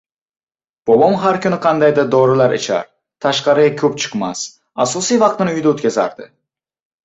Bobom har kuni qandaydir dorilar ichar, tashqariga koʻp chiqmas, asosiy vaqtini uyda oʻtkazardi.